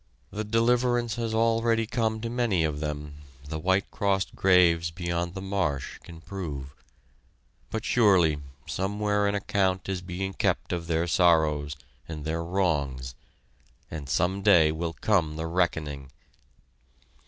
That deliverance has already come to many of them the white crossed graves, beyond the marsh, can prove. But surely, somewhere an account is being kept of their sorrows and their wrongs, and some day will come the reckoning!